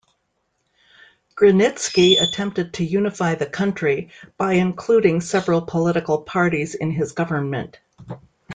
Grunitzky attempted to unify the country by including several political parties in his government.